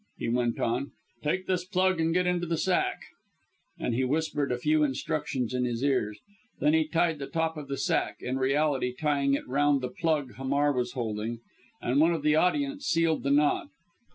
he went on, "take this plug and get into the sack," and he whispered a few instructions in his ear. Then he tied the top of the sack in reality tying it round the plug Hamar was holding and one of the audience sealed the knot.